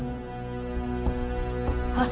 あっ！